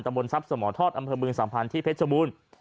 บนทรัพย์สมทอดอำเภอบึงสัมพันธ์ที่เพชรบูรณ์